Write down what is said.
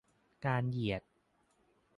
การเหยียด